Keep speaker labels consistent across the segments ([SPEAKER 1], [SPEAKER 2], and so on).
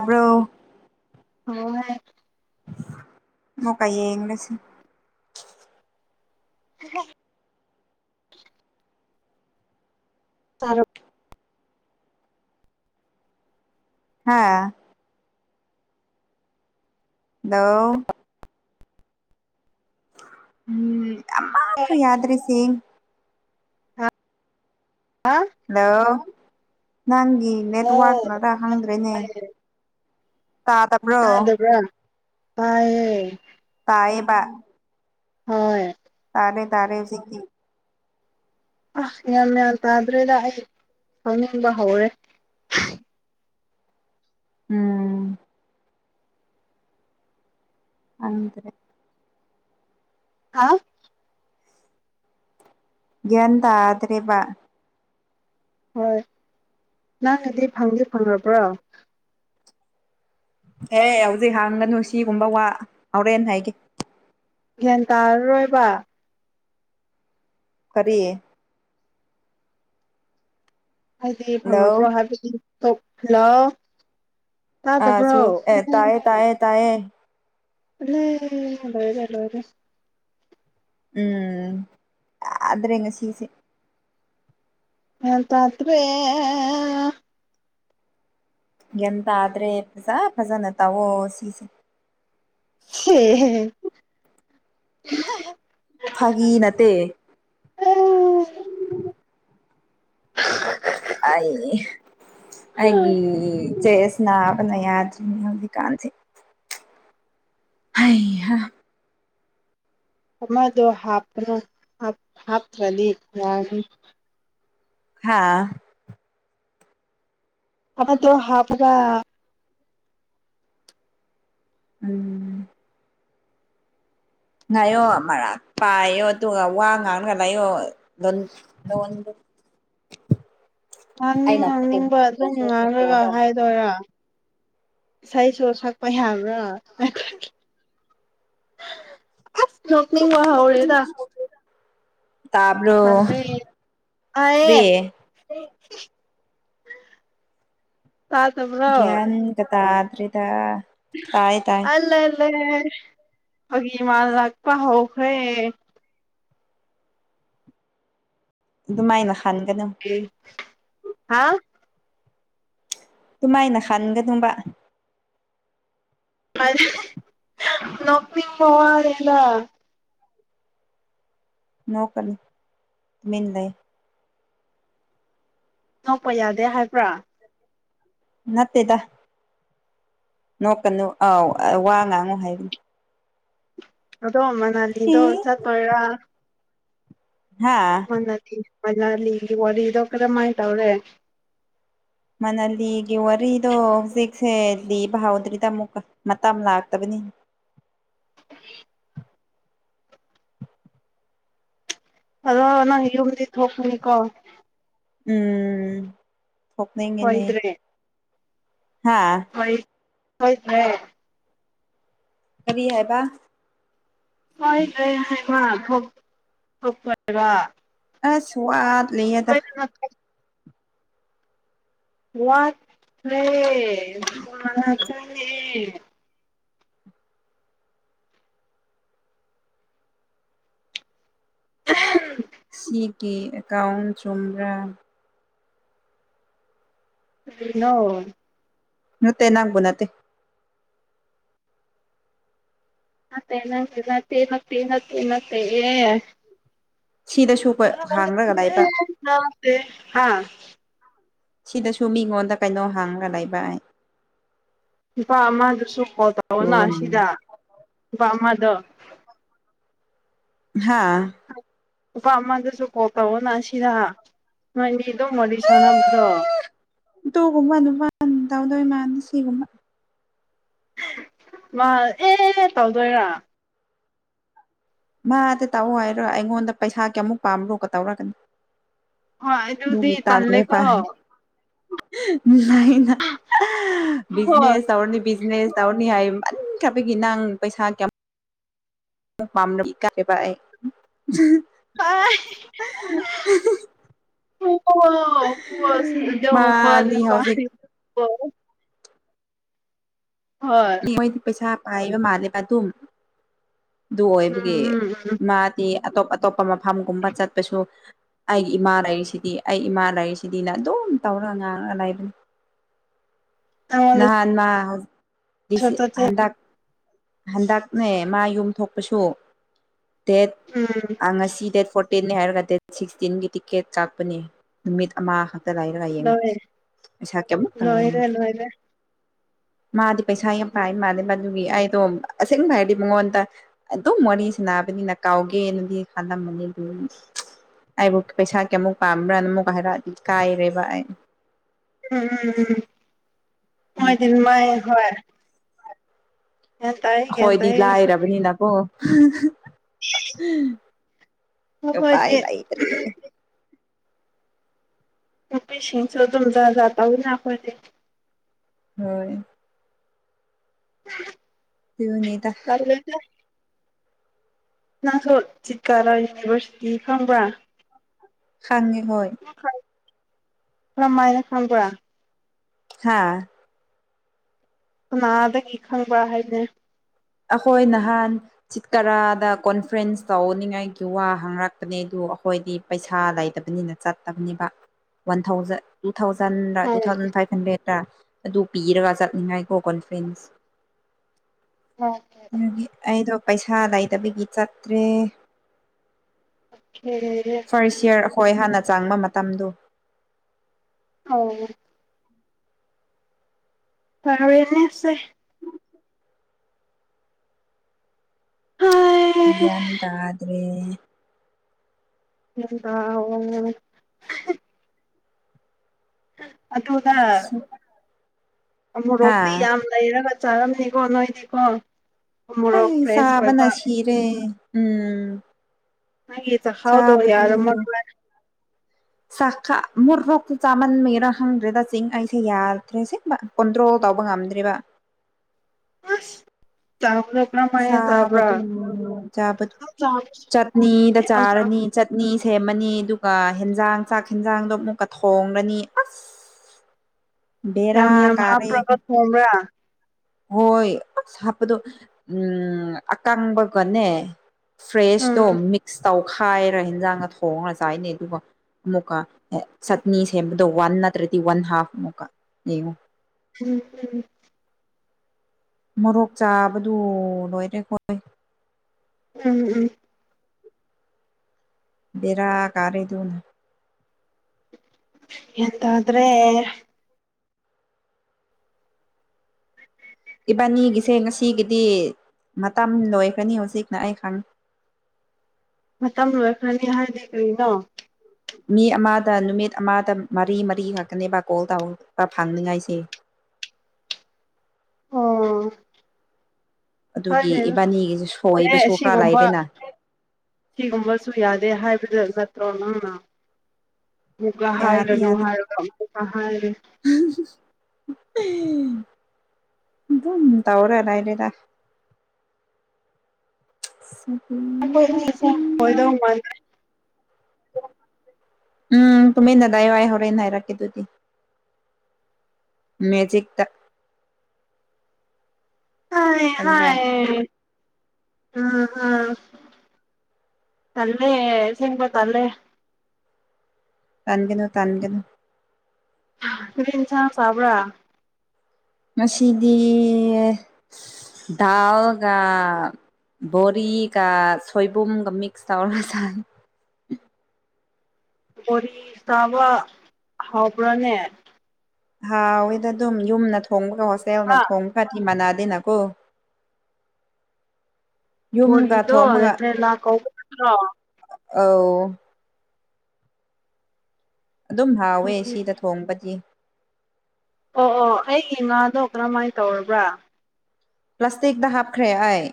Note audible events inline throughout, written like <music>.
[SPEAKER 1] ꯑꯣ
[SPEAKER 2] ꯍ ꯍꯣꯏ
[SPEAKER 1] ꯃ ꯀꯥꯏꯌꯦ ꯏꯁ
[SPEAKER 2] <unintelligible> ꯆꯔꯣ
[SPEAKER 1] ꯍꯥꯥ ꯍꯂꯣ ꯎꯝ ꯑꯃ ꯌꯥꯗ꯭ꯔꯦ ꯁꯦ
[SPEAKER 2] ꯍꯥ
[SPEAKER 1] ꯍꯜꯂꯣ ꯅꯪꯒꯤ
[SPEAKER 2] ꯍꯜꯂꯣ
[SPEAKER 1] ꯅꯦꯠꯋꯥꯛ ꯉꯔ ꯍꯪꯗ꯭ꯔꯦꯅꯦ
[SPEAKER 2] ꯌꯥꯗꯕꯔꯥ ꯇꯥꯏꯌꯦ
[SPEAKER 1] ꯕꯥ
[SPEAKER 2] ꯍꯣꯏ
[SPEAKER 1] ꯇꯥꯔꯦ ꯇꯥꯔꯦ ꯍꯨꯛꯖꯤꯛꯇꯤ
[SPEAKER 2] ꯑꯁ ꯒ꯭ꯒ꯭ꯌꯥꯟ ꯇꯥꯗ꯭ꯔꯦꯗ ꯑꯩ ꯇꯨꯝꯅꯤꯡꯕ ꯍꯧꯔꯦ
[SPEAKER 1] ꯎꯝ ꯑꯗꯨꯗ꯭ꯔꯦ
[SPEAKER 2] ꯍꯥ
[SPEAKER 1] ꯒꯌꯟꯇꯥꯗ꯭ꯔꯑꯦꯕ
[SPEAKER 2] ꯍꯣꯏ ꯅꯪꯅꯗꯤ ꯐꯪꯗꯤ ꯐꯪꯉꯕ꯭ꯔꯣ
[SPEAKER 1] ꯑꯦ ꯍꯧꯖꯤꯛ ꯍꯥꯡꯒ ꯅꯨꯡꯁꯤꯒꯨꯝꯕ ꯋꯥ ꯍꯣꯔꯦꯟ ꯍꯥꯏꯒꯦ
[SPEAKER 2] ꯒ꯭ꯌꯥꯟ ꯇꯥꯔꯔꯣꯏꯕ
[SPEAKER 1] ꯀꯥꯔꯤꯌꯦ
[SPEAKER 2] ꯍꯥꯏꯗꯤ
[SPEAKER 1] ꯍꯜꯂꯣ
[SPEAKER 2] ꯐꯪꯉꯕ꯭ꯔꯣ ꯍꯥꯏꯕꯗꯤ ꯍꯥꯂꯣ
[SPEAKER 1] ꯑ ꯁꯨ ꯇꯥꯑꯌꯦ ꯇꯌꯦ ꯇꯌꯦ
[SPEAKER 2] ꯑ ꯍꯗꯔꯂꯔꯦ
[SPEAKER 1] ꯎꯝ ꯌꯥꯗ꯭ꯔꯦ ꯉꯁꯤꯁ‌ꯦ
[SPEAKER 2] ꯒꯌ꯭ꯥꯟ ꯇꯥꯇ꯭ꯔꯦ
[SPEAKER 1] ꯒ꯭ꯟ ꯇꯥꯗ꯭ꯔꯦ ꯐꯖ ꯐꯖꯅ ꯇꯧꯋꯣ ꯁꯤꯁꯦ
[SPEAKER 2] <unintelligible>
[SPEAKER 1] ꯐꯒꯤ ꯅꯠꯇ ꯍꯥꯏ ꯑꯩꯏꯒꯤ ꯆꯦꯁ ꯅꯥꯕꯅ ꯌꯥꯗ ꯀꯥꯟꯁꯤ ꯍꯥꯏ
[SPEAKER 2] ꯑꯃꯗꫭ ꯍꯥꯄꯅꫭ ꯍꯥꯇꯥꯔꯗꯤ
[SPEAKER 1] ꯍꯥꯥ
[SPEAKER 2] ꯑꯗꯨ ꯍꯥꯄꯥꯒꯥ
[SPEAKER 1] ꯎꯝ ꯉꯥꯏꯌꯣ ꯃꯔꯥ ꯄꯥꯏꯌꯣ ꯑꯗꯨꯒ ꯋꯥ ꯉꯥꯡꯒ ꯂꯥꯛꯌꯣ ꯂꯣꯟꯗꯣ
[SPEAKER 2] ꯉꯥꯡꯅꯤꯡ
[SPEAKER 1] ꯑꯩꯅ
[SPEAKER 2] ꯉꯥꯡꯅꯤꯡꯕ ꯑꯗꯨꯝ
[SPEAKER 1] ꯈꯨꯝꯗ꯭ꯔꯁꯨ ꯍꯧꯖꯤꯛ
[SPEAKER 2] ꯉꯥꯡꯂꯒ
[SPEAKER 1] ꯂꯣꯜꯂ ꯂꯩ
[SPEAKER 2] ꯍꯥꯏꯗꯣꯏꯔꯥ ꯏꯁꯩꯁꯨ ꯁꯛꯄ ꯌꯥꯕ꯭ꯔꯥ ꯑꯁ ꯅꯣꯅꯤꯡ ꯍꯧꯔꯦꯗꯥ
[SPEAKER 1] ꯇꯕꯣ
[SPEAKER 2] ꯇꯥꯏꯌꯦ
[SPEAKER 1] ꯀꯔꯤ
[SPEAKER 2] ꯇꯥꯗꯕ꯭ꯔꯣ
[SPEAKER 1] ꯒ꯭ꯌꯥꯟꯇꯥ ꯑꯗꯨꯔꯤꯗ ꯇꯥꯏ ꯇꯥꯏ
[SPEAKER 2] ꯐꯒꯤꯃꯅ ꯂꯥꯛꯄ ꯍꯣꯈꯣꯏ
[SPEAKER 1] ꯑꯗꯨꯃꯥꯏꯅ ꯈꯟꯒꯅ
[SPEAKER 2] ꯍꯥ
[SPEAKER 1] ꯑꯗꯨꯃꯥꯏꯅ ꯈꯟꯒꯗꯕ
[SPEAKER 2] ꯅꯄꯤꯄꯤ ꯄꯋꯥꯗꯗ
[SPEAKER 1] ꯅꯣꯡꯀꯅꯤꯃꯤ ꯂꯩ
[SPEAKER 2] ꯅꯣꯛꯄ ꯌꯥꯗꯦ ꯍꯥꯏꯕ꯭ꯔꯥ
[SPEAKER 1] ꯅꯠꯇꯦꯗ ꯅꯣꯛꯀꯅꯨ ꯑꯥꯎ ꯋꯥ ꯉꯥꯡꯉꯨ ꯍꯥꯏꯕꯅ
[SPEAKER 2] ꯑꯗꯣꯑꯃ ꯅꯥꯟꯗꯣ
[SPEAKER 1] ꯏ
[SPEAKER 2] ꯑꯣꯜ ꯆꯔ
[SPEAKER 1] ꯍꯥꯥ
[SPEAKER 2] ꯃꯖꯥ ꯂꯤꯒꯤ ꯋꯥꯔꯤꯗꯤ ꯏꯣ ꯀꯗꯃꯥꯏ ꯇꯧꯔꯦ
[SPEAKER 1] ꯃꯅꯂꯤꯒꯤ ꯋꯥꯔꯤꯗꯣ ꯍꯧꯖꯤꯛꯁꯦ ꯂꯤꯕ ꯍꯧꯥꯎꯗ꯭ꯔꯤꯗ ꯑꯃꯨꯛꯀ ꯃꯇꯝ ꯂꯥꯛꯇꯕꯅꯤ
[SPEAKER 2] ꯑ ꯅꯪ ꯌꯝꯗꯤ ꯊꯣꯄꯅꯤꯀꯣ
[SPEAKER 1] ꯎꯝ ꯊꯣꯛꯅꯤꯡꯉꯤꯅꯤ
[SPEAKER 2] ꯁꯣꯏꯗ꯭ꯔꯦ
[SPEAKER 1] ꯍꯥ
[SPEAKER 2] ꯍꯣꯏꯦ
[SPEAKER 1] ꯀꯔꯤ ꯍꯥꯏꯕ
[SPEAKER 2] ꯍꯣꯏ ꯂꯩ ꯍꯥꯏ
[SPEAKER 1] ꯑ ꯁ꯭ꯋꯥꯠ ꯂꯩꯌꯦꯗ
[SPEAKER 2] ꯋꯥ <unintelligible> <inaudible>
[SPEAKER 1] ꯁꯤꯒꯤ ꯑꯦꯀꯥꯎꯟ ꯆꯨꯝꯕ꯭ꯔꯥ
[SPEAKER 2] ꯅꯣ
[SPEAKER 1] ꯃꯠꯇꯦ ꯅꯪꯕꯨ ꯅꯠꯇꯦ
[SPEAKER 2] ꯅꯠꯇ ꯅ ꯅ ꯅ
[SPEAKER 1] ꯁꯤꯗꯁꯨ
[SPEAKER 2] ꯅ
[SPEAKER 1] ꯑꯩꯈꯣꯏ ꯍꯥꯡꯔꯒ
[SPEAKER 2] ꯅꯠꯇ
[SPEAKER 1] ꯂꯩꯕ
[SPEAKER 2] ꯑꯦ <inaudible>
[SPEAKER 1] ꯁꯤꯗꯁꯨ ꯃꯤꯉꯣꯟꯗ ꯀꯩꯅꯣ ꯍꯥꯡꯒ ꯂꯩꯕ ꯍꯥꯏ
[SPEAKER 2] ꯏꯄꯥꯃꯗꯨꯁꯨ ꯀꯣ ꯇꯧꯑꯣ ꯅ ꯁꯤꯗ ꯏꯄꯥꯃ <unintelligible>
[SPEAKER 1] ꯍꯥꯥ
[SPEAKER 2] ꯅꯨꯄꯥ ꯑꯃꯗꯁꯨ ꯀꯣꯜ ꯇꯧꯔ ꯅꯁꯤꯔ ꯅꯒꯤ ꯃꯔꯤꯁꯅꯗ꯭ꯔ
[SPEAKER 1] ꯍꯣꯏ ꯃꯥꯅ ꯁꯤꯒꯨꯝꯕ
[SPEAKER 2] ꯃꯥ ꯑꯦ ꯇꯧꯗꯣꯏꯔꯥ
[SPEAKER 1] ꯃꯥꯗꯤ ꯇꯥꯛꯑꯣ ꯍꯥꯏꯔꯣ ꯑꯩꯉꯣꯟꯗ ꯄꯩꯁꯥ ꯀꯌꯥꯃꯨꯛ ꯄꯥꯝꯔꯣꯒ ꯇꯧꯔꯒꯅꯤ
[SPEAKER 2] ꯍ ꯌꯗꯤ ꯇꯜꯂꯦꯀꯣ
[SPEAKER 1] ꯂꯩ
[SPEAKER 2] ꯍꯣꯏ
[SPEAKER 1] ꯕꯤꯖꯤꯅꯦꯁ ꯑꯔꯅꯤꯕꯤꯅꯦ ꯖꯤꯅꯦꯁ ꯑꯔꯤꯍꯥꯏ ꯏ ꯃꯅ ꯊꯥꯕꯩꯒꯤꯅꯪ ꯄꯩꯁꯥ ꯀꯌꯥꯝ ꯀꯦꯚ
[SPEAKER 2] ꯍ ꯑꯣ ꯄꯣꯁ ꯃꯥꯟ
[SPEAKER 1] ꯃꯥꯗꯤ
[SPEAKER 2] ꯄ
[SPEAKER 1] ꯍꯧꯖꯤꯛ
[SPEAKER 2] ꯑꯣ
[SPEAKER 1] ꯃꯣꯏ ꯄꯩꯁꯥ ꯄꯥꯏꯕ ꯃꯥꯔꯂꯦ ꯄ ꯑꯗꯨꯨꯝ ꯑꯗꯨꯗꯨ
[SPEAKER 2] ꯎꯝ
[SPEAKER 1] ꯑꯣꯏꯕꯒꯤ
[SPEAKER 2] ꯎꯝ ꯎꯝ
[SPEAKER 1] ꯃꯥꯗꯤ ꯑꯇꯣꯞ ꯑꯇꯣꯞꯄ ꯃꯐꯝꯒꯨꯝꯕ ꯆꯠꯄꯁꯨ ꯑꯩꯒꯤ ꯏꯃꯥ ꯂꯩꯔꯤꯁꯤꯗꯤ ꯑꯩ ꯏꯃꯥ ꯂꯩꯔꯤꯁꯤꯗꯤꯅ ꯑꯗꯨꯝ ꯇꯧꯔ ꯉꯥꯡꯉ ꯂꯩꯕꯅꯤ
[SPEAKER 2] ꯑꯩꯉꯣꯟꯗꯁꯨ
[SPEAKER 1] ꯅ ꯁꯤ
[SPEAKER 2] ꯆꯠꯁꯦ
[SPEAKER 1] ꯍꯟꯗꯛ ꯍꯟꯗꯛꯅꯦ ꯃꯥ ꯌꯨꯝ ꯊꯣꯛꯄꯁꯨ ꯗꯦꯠ
[SPEAKER 2] ꯎꯝ
[SPEAKER 1] ꯑ ꯉꯁꯤ ꯗꯦꯠ ꯐꯣꯔꯇꯤꯦ ꯍꯥꯏꯔꯒ ꯗꯦꯠ ꯁꯤꯛꯁꯇꯤꯟꯒꯤ ꯇꯤꯀꯦꯠ ꯀꯥꯞꯄꯅꯦ ꯅꯨꯃꯤꯠ ꯑꯃꯈꯛ ꯂꯥꯏ ꯀ
[SPEAKER 2] ꯂꯣꯏ
[SPEAKER 1] ꯄꯁꯥꯀ ꯃꯠꯇ
[SPEAKER 2] ꯂꯣꯏꯔꯦ ꯂꯣꯏꯔꯦ
[SPEAKER 1] ꯃꯥꯗꯤ ꯄꯩꯁꯥ ꯄꯥꯏ ꯃꯥꯅꯦ ꯃꯥ ꯑꯗꯨꯒꯤ ꯑꯩꯗꯣ ꯑꯁꯦꯡꯕ ꯍꯥꯏꯔꯗꯤ ꯃꯉꯣꯟꯗ ꯑꯗꯨꯝ ꯋꯥꯔꯤ ꯁꯥꯟꯅꯕꯅꯤꯅ ꯀꯥꯎꯒꯦꯅꯗꯤ ꯈꯜꯂꯝꯃꯅꯤ ꯑꯗꯨ ꯑꯩꯕꯨ ꯄꯩꯁꯥ ꯀꯌꯥꯃꯨꯛ ꯄꯥꯝꯕ꯭ꯔꯅ ꯑꯃꯨꯛꯀ ꯍꯥꯏꯔꯛꯑꯗꯤ ꯀꯥꯏꯔꯦꯕ ꯑꯩ
[SPEAKER 2] ꯎꯝ ꯎꯝ ꯎꯝ ꯃꯣꯏꯗ
[SPEAKER 1] ꯑꯩꯈꯣꯏꯗꯤ
[SPEAKER 2] ꯃꯥꯏ ꯍꯣꯏ ꯒ꯭ꯌꯥꯟ ꯇꯥꯏ ꯒ꯭ꯌꯥꯟ
[SPEAKER 1] ꯍꯣꯏꯗꯤ
[SPEAKER 2] ꯇꯥꯏ ꯑꯩꯁꯨ
[SPEAKER 1] ꯂꯥꯏꯔꯕꯅꯤꯅꯀꯣ <unintelligible> ꯎ ꯄꯥꯏ
[SPEAKER 2] ꯑꯩꯈꯣꯏꯗꯤ
[SPEAKER 1] ꯂꯩ ꯏꯇꯔꯤ
[SPEAKER 2] ꯃꯁꯤꯟ ꯆ ꯊꯝꯗꯕꯨꯅꯈꯅꯦ
[SPEAKER 1] ꯍꯣꯏ
[SPEAKER 2] <unintelligible>
[SPEAKER 1] ꯁꯤꯕꯨꯅꯤꯗ
[SPEAKER 2] ꯇꯜꯂꯦꯗ ꯅꯪꯁꯨ ꯆꯤꯠꯀꯥꯔꯥ ꯌꯨꯅꯤꯚꯔꯁꯤꯇꯤ ꯐꯪꯕ꯭ꯔꯥ
[SPEAKER 1] ꯍꯪꯉꯦ ꯍꯣꯏ
[SPEAKER 2] ꯐꯃꯥꯏꯅ ꯐꯥꯟꯄ
[SPEAKER 1] ꯍꯥꯥ
[SPEAKER 2] ꯀꯅꯥꯗꯒꯤ ꯈꯪꯕ꯭ꯔ ꯍꯥꯏꯅꯦ
[SPEAKER 1] ꯑꯩꯈꯣꯏ ꯅꯍꯥꯟ ꯁꯤꯠꯀꯔꯥꯗ ꯀꯣꯟꯐ꯭ꯔꯦꯟꯁ ꯇꯧꯅꯤꯡꯉꯥꯏꯒꯤ ꯋꯥ ꯍꯥꯡꯉꯔꯛꯄꯅꯦ ꯑꯗꯨ ꯑꯩꯈꯣꯏꯗꯤ ꯄꯩꯁꯥ ꯂꯩꯇꯕꯅꯤꯅ ꯆꯠꯇꯕꯅꯦꯕ ꯋꯥꯟ ꯊꯥꯎꯖꯟ ꯇꯨ ꯊꯥꯎꯖꯟꯗ ꯇꯨ
[SPEAKER 2] ꯍꯣꯏ
[SPEAKER 1] ꯊꯥꯎꯖꯟ ꯐꯥꯏꯚ ꯍꯟꯗ꯭ꯔꯦꯠꯇ ꯑꯗꯨ ꯄꯤꯔꯒ ꯆꯠꯅꯤꯡꯉꯥꯏꯀꯣ ꯀꯣꯟꯐ꯭ꯔꯦꯟꯁ <inaudible> ꯄꯩꯁꯥ ꯂꯩꯇꯕꯒꯤ ꯆꯠꯇ꯭ꯔꯦ
[SPEAKER 2] ꯍꯔꯔ
[SPEAKER 1] ꯍꯣꯏ ꯍꯥꯟꯅ ꯆꯥꯡꯕ ꯃꯇꯝꯗꯣ
[SPEAKER 2] ꯍ ꯐꯥꯕꯟꯅꯁꯦ ꯍꯥꯏ
[SPEAKER 1] ꯌꯦꯗꯗ꯭ꯔꯦ
[SPEAKER 2] ꯎꯝ ꯑ ꯑꯗꯨꯒ
[SPEAKER 1] ꯍꯥ
[SPEAKER 2] ꯑꯃꯣꯔꯣꯛꯄꯤꯤ ꯌꯥꯝ ꯂꯩꯔꯒ ꯆꯥꯔꯝꯅꯤꯀꯣ ꯅꯣꯏꯅꯤꯀꯣ
[SPEAKER 1] ꯑꯩ ꯆꯥꯕꯅ ꯁꯤꯔꯦ ꯎꯝ
[SPEAKER 2] ꯍ ꯆ ꯍꯥꯎꯗꯣ
[SPEAKER 1] ꯆꯥꯕꯗꯨ
[SPEAKER 2] ꯌꯥꯔ ꯃ
[SPEAKER 1] ꯆꯥꯛꯀ ꯃꯨꯔꯣꯛꯇꯨ ꯆꯥꯃꯟꯃꯤꯔꯥ ꯍꯪꯗ꯭ꯔꯦꯗ ꯆꯤꯡ ꯑꯩꯁꯦ ꯌꯥꯗ꯭ꯔꯦ ꯁꯤꯦꯡ ꯀꯣꯟꯗ꯭ꯔꯣ ꯇꯧꯕ ꯉꯝꯗ꯭ꯔꯤꯕ
[SPEAKER 2] ꯑ ꯆ
[SPEAKER 1] ꯆꯕꯗꯤ ꯆꯥꯕ ꯆꯠꯅꯤꯗ
[SPEAKER 2] ꯌꯥꯝ
[SPEAKER 1] ꯆꯥꯔꯅꯤ ꯆꯠꯅꯤ ꯁꯦꯝꯃꯅꯤ ꯑꯗꯨꯒ ꯌꯦꯦꯟꯖꯥꯡ ꯆꯥꯛ ꯌꯦꯦꯟꯖꯥꯡꯗꯣ ꯑꯃꯨꯛꯀ ꯊꯣꯡꯡꯂꯅꯤ ꯑꯁ
[SPEAKER 2] ꯌꯥꯝ
[SPEAKER 1] ꯕꯦꯔꯥ
[SPEAKER 2] ꯌꯥꯝ ꯍꯥꯥ
[SPEAKER 1] ꯀꯥꯔꯦ
[SPEAKER 2] ꯄ꯭ꯔꯒꯠ ꯅ꯭ꯔꯥ
[SPEAKER 1] ꯍꯣꯏ ꯑꯁ ꯍꯥꯞꯄꯗꯣ ꯎꯝ ꯑꯀꯪꯕꯒꯅꯦ ꯐ꯭ꯔꯦꯁ ꯗꯣ
[SPEAKER 2] ꯎꯝ
[SPEAKER 1] ꯃꯤꯛꯁ ꯇꯥꯎ ꯇꯣꯠꯈꯥꯏꯔ ꯌꯦꯟꯖꯥꯡꯅ ꯊꯣꯡꯉꯒ ꯆꯥꯏꯅꯩ ꯑꯗꯨꯒ ꯑꯃꯨꯛꯀ ꯆꯠꯅꯤ ꯁꯦꯝꯕꯗꯣ ꯋꯥꯟ ꯅꯠꯇ꯭ꯔꯗꯤ ꯋꯥꯟ ꯍꯥꯐ ꯑꯃꯨꯛꯀ ꯌꯦꯡꯉꯣ
[SPEAKER 2] ꯎꯝ ꯍꯝ
[SPEAKER 1] ꯃꯣꯔꯣꯛ ꯆꯥꯕꯗꯨ ꯂꯣꯏꯔꯦꯈꯣꯏ
[SPEAKER 2] ꯎꯝ ꯎꯝ
[SPEAKER 1] ꯕꯤꯔꯥ ꯀꯥꯔꯦꯗꯨꯅ
[SPEAKER 2] ꯌꯦꯠꯇꯗ꯭ꯔꯦ
[SPEAKER 1] ꯏꯕꯥꯅꯤꯒꯤꯁꯦ ꯉꯁꯤꯒꯤꯗꯤ ꯃꯇꯝ ꯂꯣꯏꯈ꯭ꯔꯅꯤ ꯍꯧꯖꯤꯛꯅ ꯑꯩ ꯈꯪꯉꯤ
[SPEAKER 2] ꯇꯝ ꯂꯣꯏ ꯈ꯭ꯔꯅꯤ ꯍꯥꯏꯔꯗꯤ ꯀꯩꯅꯣ
[SPEAKER 1] ꯃꯤ ꯑꯃꯗ ꯅꯨꯃꯤꯠ ꯑꯃꯗ ꯃꯔꯤ ꯃꯔꯤ ꯈꯛꯛꯇꯅꯦꯕ ꯀꯣꯜ ꯇꯧꯔꯛꯄ ꯐꯪꯅꯤꯉꯥꯏꯁꯦ
[SPEAKER 2] ꯑ
[SPEAKER 1] ꯑꯗꯨꯒꯤ
[SPEAKER 2] ꯍꯣꯏꯅꯦ
[SPEAKER 1] ꯏꯕꯥꯅꯤꯒꯤꯁꯨ
[SPEAKER 2] ꯑꯦ
[SPEAKER 1] ꯁꯣꯏꯕꯁꯨ ꯈꯔ
[SPEAKER 2] ꯁꯤꯒꯨꯝꯕ
[SPEAKER 1] ꯂꯩꯔꯦꯅ
[SPEAKER 2] ꯁꯤꯒꯨꯝꯕꯁꯨ ꯌꯥꯗꯦ ꯑꯗꯨꯦ ꯍꯥꯏꯕꯠꯇꯣꯅ ꯑꯃꯨꯛ
[SPEAKER 1] ꯌꯥꯗꯤ
[SPEAKER 2] ꯍꯥꯏꯔꯅꯨ
[SPEAKER 1] ꯌꯥꯗꯦ
[SPEAKER 2] ꯍꯥꯏꯔ <unintelligible> ꯐꯦ
[SPEAKER 1] ꯑꯗꯨꯝ ꯇꯎꯔꯦ ꯂꯥꯏ ꯂꯩꯦꯗ ꯎꯝ
[SPEAKER 2] ꯣꯏ ꯍꯣꯏꯗꯃ
[SPEAKER 1] ꯎꯝ ꯇꯨꯃꯤꯟꯅꯗꯥꯏ ꯋꯥꯏ ꯍꯣꯔꯅ ꯍꯥꯏꯔꯛꯀꯦ ꯑꯗꯨꯗꯤ ꯃꯦꯖꯤꯛꯇ
[SPEAKER 2] ꯑ
[SPEAKER 1] ꯈꯪꯕ꯭ꯔꯥ
[SPEAKER 2] ꯍꯥꯏ ꯎꯝ ꯎꯝ ꯑꯜꯦ ꯁꯤꯄ ꯇꯂꯦ
[SPEAKER 1] ꯇꯟꯒꯅꯨ ꯇꯟꯒꯅꯨ
[SPEAKER 2] ꯀꯤꯟꯁꯥꯡ ꯆꯕ꯭ꯔ
[SPEAKER 1] ꯉꯁꯤꯗꯤ ꯗꯥꯜꯒ ꯕꯣꯔꯤꯒ ꯁꯣꯏꯕꯨꯝꯒ ꯃꯤꯛꯁ ꯇꯧꯔꯒ ꯆꯥꯅ
[SPEAKER 2] ꯣ ꯆꯥꯕ ꯍꯥꯎꯕ꯭ꯔꯥꯅꯦ
[SPEAKER 1] ꯍꯥꯎꯋꯦꯗ ꯑꯗꯨꯝ ꯌꯨꯝꯅ ꯊꯣꯡꯕ ꯍꯣꯁꯦꯜꯅ
[SPEAKER 2] ꯍꯥ
[SPEAKER 1] ꯊꯣꯡ ꯐꯥꯇꯤ ꯃꯥꯟ ꯅꯀꯣ
[SPEAKER 2] ꯍꯣꯠꯗꯣ ꯍꯠꯇꯦ ꯂꯥꯛ꯭ꯔꯣ
[SPEAKER 1] ꯑ ꯑꯗꯨꯝ ꯍꯥꯎꯋꯦ
[SPEAKER 2] ꯎꯝ
[SPEAKER 1] ꯁꯤꯗ ꯊꯣꯡꯕꯗꯤ
[SPEAKER 2] ꯑꯣ ꯑꯣ ꯑꯩꯒꯤ ꯉꯥꯗꯣ ꯀꯔꯃꯥꯏꯅ ꯇꯧꯔꯕ꯭ꯔꯥ
[SPEAKER 1] ꯄ꯭ꯂꯥꯁꯇꯤꯛꯇ ꯍꯥꯞꯈ꯭ꯔꯦ ꯑꯩ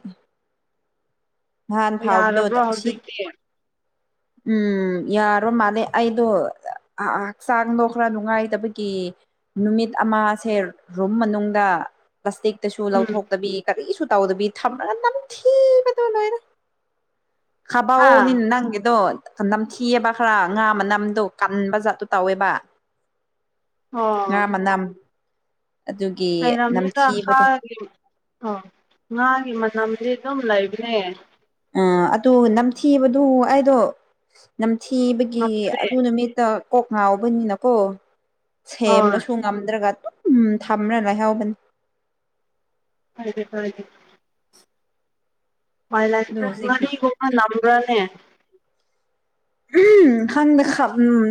[SPEAKER 1] ꯅꯍꯥꯟ
[SPEAKER 2] ꯑꯣ
[SPEAKER 1] ꯐꯥꯎꯕꯗꯣ
[SPEAKER 2] ꯌꯥꯔꯕ꯭ꯔꯣ
[SPEAKER 1] ꯁꯤ
[SPEAKER 2] ꯍꯧꯖꯤꯛꯇꯤ
[SPEAKER 1] ꯎꯝ ꯌꯥꯔꯣ ꯃꯥꯂꯦ ꯑꯩꯗꯣ ꯍꯛꯆꯥꯡꯗꯣ ꯈꯔ ꯅꯨꯡꯉꯥꯏꯇꯕꯒꯤ ꯅꯨꯃꯤꯠ ꯑꯃꯁꯁꯦ ꯔꯨꯝ ꯃꯅꯨꯡꯗ ꯭ꯂꯁꯇꯤꯛꯇꯁꯨ
[SPEAKER 2] ꯎꯝ
[SPEAKER 1] ꯂꯧꯊꯣꯛꯇꯕꯤ ꯀꯔꯤꯁꯨ ꯇꯧꯗꯕꯤ ꯊꯝꯃꯒꯊꯤ ꯗꯔ
[SPEAKER 2] ꯍꯥ
[SPEAKER 1] ꯍꯕꯑꯣꯅꯤꯅ ꯅꯪꯦꯗꯣ ꯅꯝꯊꯤꯑꯕ ꯈꯔ ꯉꯥ ꯃꯅꯝꯗꯣ ꯀꯟꯕ ꯖꯥꯠꯇꯨ ꯇꯧꯋꯦꯕ ꯉꯃꯅꯥꯝ
[SPEAKER 2] ꯂꯩꯔꯕꯝꯅꯤꯗ ꯍꯥꯒꯤ ꯑꯣ ꯉꯥꯒꯤ ꯅꯝꯗꯤ ꯑꯗꯨꯝ ꯂꯩ ꯂꯩꯕꯅꯦ
[SPEAKER 1] ꯑ ꯑꯗꯨ ꯅꯝꯊꯤꯕꯗꯨ ꯑꯩꯗꯣ ꯊꯤꯕꯒꯤ
[SPEAKER 2] ꯉꯝꯗ꯭ꯔꯦ
[SPEAKER 1] ꯑꯗꯨ ꯅꯨꯃꯤꯠꯇ ꯀꯣꯛ ꯉꯥꯎꯕꯅꯤꯅꯀꯣ
[SPEAKER 2] ꯍꯣꯏ
[SPEAKER 1] ꯁꯦꯝꯕꯁꯨ ꯉꯝꯗ꯭ꯔꯒ ꯎꯝ ꯊꯝꯕ꯭ꯔꯥ ꯂꯥꯏꯍꯥꯎꯕꯅꯤ
[SPEAKER 2] ꯍꯥꯏ ꯐꯗꯤ ꯃꯥꯏ ꯂꯥꯏ
[SPEAKER 1] ꯑꯗꯣ ꯍꯧꯖꯤꯛꯇꯤ
[SPEAKER 2] ꯍꯅꯤꯒ ꯅ꯭ꯔꯥ ꯑ
[SPEAKER 1] ꯎ ꯍꯪꯗ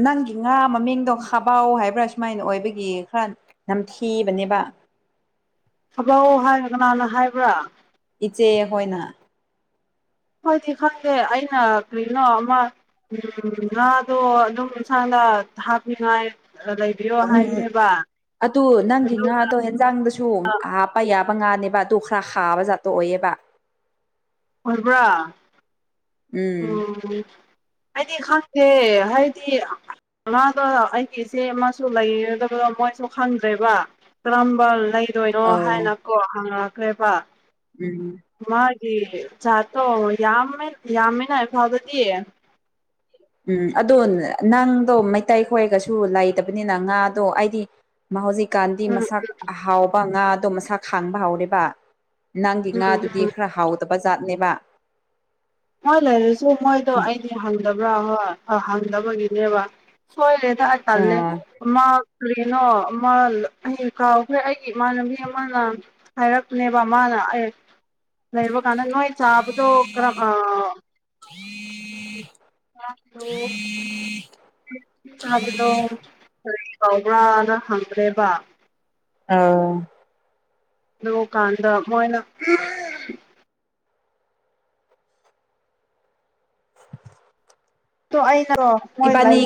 [SPEAKER 1] ꯅꯪꯒꯤ ꯉꯥ ꯃꯃꯤꯡꯗꯣ ꯈꯕꯥꯎ ꯍꯥꯏꯕ꯭ꯔꯥ ꯁꯨꯃꯥꯏꯅ ꯑꯣꯏꯕꯒꯤ ꯈꯔ ꯅꯝꯊꯤꯕꯅꯦꯕ
[SPEAKER 2] ꯊꯕꯧ ꯍꯥꯏꯔ ꯀꯅꯥꯅ ꯍꯥꯏꯕ꯭ꯔꯥ
[SPEAKER 1] ꯏꯆꯦ ꯑꯩꯈꯣꯏꯅ
[SPEAKER 2] ꯍꯣꯏꯗꯤ ꯈꯪꯗꯦ ꯑꯩꯅ ꯀꯩꯅꯣ ꯑꯃ ꯉꯥꯗꯣ ꯑꯗꯨꯝ ꯏꯁꯥꯅ ꯊꯥꯄꯤꯉꯥꯏ
[SPEAKER 1] ꯎꯝ ꯑꯗꯨ ꯅꯪꯒꯤ
[SPEAKER 2] ꯑꯗꯨ
[SPEAKER 1] ꯉꯥꯗꯣ ꯌꯦꯟꯖꯥꯡꯗꯁꯨ ꯍꯥꯞꯄ ꯌꯥꯕ ꯉꯥꯅꯦꯕ ꯗꯣꯈ꯭ꯔꯥ ꯈꯕꯖꯥꯠꯇꯣꯛ ꯑꯣꯌꯦꯕ
[SPEAKER 2] ꯑꯣꯏ ꯄꯨꯔꯥ
[SPEAKER 1] ꯎꯝ
[SPEAKER 2] ꯑ ꯑꯩꯗꯤ ꯈꯪꯗꯦ ꯍꯥꯏꯗꯤ ꯃꯥꯗꯣ ꯑꯩꯒꯤ ꯏꯆꯦ ꯑꯃꯁꯁꯨ ꯂꯩꯒꯗꯕꯗꯣ ꯃꯣꯏꯁꯨ ꯈꯪꯗ꯭ꯔꯦꯕ ꯀꯔꯝꯕ ꯂꯩ ꯗꯣꯏꯔꯣ
[SPEAKER 1] ꯑꯧ
[SPEAKER 2] ꯍꯥꯏꯅ ꯀꯣ ꯍꯪꯉꯛꯦ ꯀ꯭ꯦꯄꯥ
[SPEAKER 1] ꯎꯝ
[SPEAKER 2] ꯌꯥꯗꯣ ꯌꯥꯝ ꯌꯥ ꯐꯕꯗꯤ
[SPEAKER 1] ꯎꯝ ꯑꯗꯣ ꯅꯪꯗꯣ ꯃꯩꯇꯩ ꯈꯣꯏꯒꯁꯨ ꯂꯩꯇꯕꯅꯤꯅ ꯉꯥꯗꯣ ꯍꯥꯏꯗꯤ ꯃꯍ ꯍꯧꯖꯤꯛ ꯒꯥꯟꯙꯤ
[SPEAKER 2] ꯎꯝ
[SPEAKER 1] ꯃꯁꯥꯛ ꯑ ꯍꯥꯎꯕ ꯉꯥ ꯑꯗꯣ ꯃꯁꯥ ꯈꯥꯡꯕ ꯍꯧꯥꯎꯔꯤꯕ ꯅꯪꯒꯤ
[SPEAKER 2] ꯎꯝ
[SPEAKER 1] ꯉꯥꯗꯨꯗꯤ
[SPEAKER 2] ꯎꯝ
[SPEAKER 1] ꯈꯔ ꯍꯥꯎꯗꯕ ꯕꯖꯥꯠꯅꯦꯕ
[SPEAKER 2] ꯍꯣꯏ ꯂꯩꯔꯁꯨ ꯃꯣꯏꯗꯣ ꯑꯩꯗꯤ ꯍꯪꯗꯕ꯭ꯔꯥ ꯍꯣꯏ ꯑ ꯍꯪꯅꯕꯒꯤꯅꯦꯕ ꯍꯣꯏ ꯔꯦꯗ ꯍꯥꯏꯇꯥꯥꯂꯦ
[SPEAKER 1] ꯎꯝ
[SPEAKER 2] ꯃꯥ ꯀꯔꯤꯅꯣ ꯑꯃ ꯑꯩ ꯀꯥꯎꯈꯦ ꯑꯩꯒꯤ ꯏꯃꯥꯟꯅꯕꯤ ꯑꯃꯅ ꯍꯥꯏꯔꯛꯄꯅꯦꯕ ꯃꯥꯅ ꯑꯩ ꯂꯩꯕ ꯀꯥꯟꯗ ꯅ ꯍ ꯆꯥꯕꯗꯛ
[SPEAKER 1] ꯎꯝ
[SPEAKER 2] ꯁꯥꯗꯗꯣ ꯀꯔꯤ ꯆꯥꯎꯕ꯭ꯔꯥꯅ ꯍꯪꯈ꯭ꯔꯦꯕ
[SPEAKER 1] ꯑꯥ
[SPEAKER 2] ꯂ ꯀꯥꯟꯗ ꯃꯣꯏꯅ
[SPEAKER 1] <inaudible>
[SPEAKER 2] ꯣ ꯑꯩ ꯃꯣꯏꯗ꯭ꯔ
[SPEAKER 1] ꯏꯕꯥꯅꯤ
[SPEAKER 2] ꯏꯕꯤ